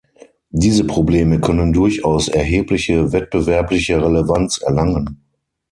Diese Probleme können durchaus erhebliche wettbewerbliche Relevanz erlangen.